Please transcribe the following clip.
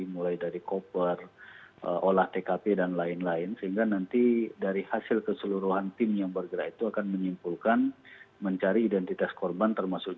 mulai dari koper olah tkp dan lain lain sehingga nanti dari hasil keseluruhan tim yang bergerak itu akan menyimpulkan mencari identitas korban termasuk